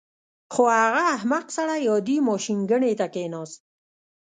خو هغه احمق سړی عادي ماشینګڼې ته کېناست